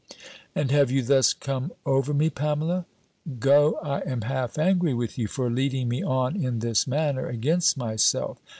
"And have you thus come over me, Pamela! Go, I am half angry with you, for leading me on in this manner against myself.